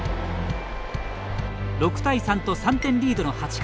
６対３と３点リードの８回。